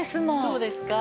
そうですか？